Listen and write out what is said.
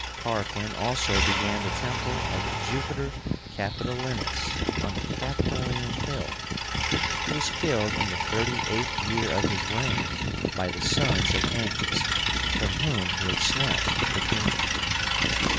Tarquin also began the temple of JUPITER CAPITOLÍNUS, on the Capitoline Hill. He was killed in the thirty eighth year of his reign by the sons of Ancus, from whom he had snatched the kingdom.